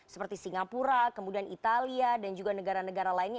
seperti singapura kemudian italia dan juga negara negara lainnya